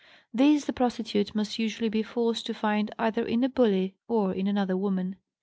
These the prostitute must usually be forced to find either in a "bully" or in another woman.